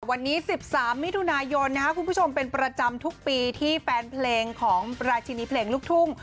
วันนี้๑๓มิถุนายนเป็นประจำทุกปีที่แฟนเพลงของรายชิดิ์เพลงลูกทุ้ง